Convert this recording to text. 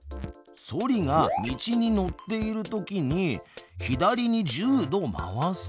ソリが道に乗っているときに「左に１０度回す」。